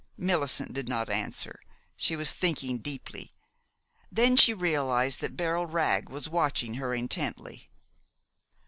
Millicent did not answer. She was thinking deeply. Then she realized that Beryl Wragg was watching her intently.